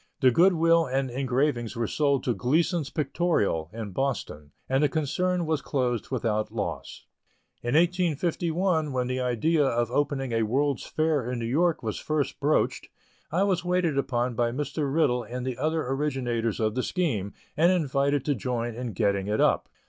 The good will and the engravings were sold to Gleasons Pictorial, in Boston, and the concern was closed without loss. In 1851, when the idea of opening a World's Fair in New York was first broached, I was waited upon by Mr. Riddell and the other originators of the scheme, and invited to join in getting it up.